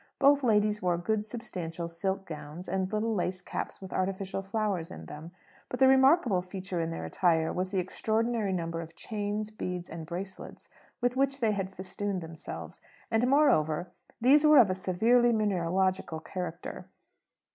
Both ladies wore good substantial silk gowns, and little lace caps with artificial flowers in them. But the remarkable feature in their attire was the extraordinary number of chains, beads, and bracelets with which they had festooned themselves. And, moreover, these were of a severely mineralogical character.